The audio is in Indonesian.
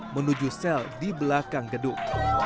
menuju sel di belakang gedung